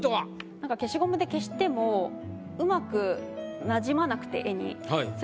なんか消しゴムで消しても上手く馴染まなくて絵に。